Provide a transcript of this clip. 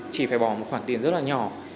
chỉ phải bỏ một khoản tiền rất là nhỏ